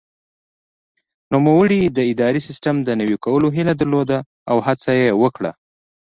نوموړي د اداري سیسټم د نوي کولو هیله درلوده او هڅه یې وکړه.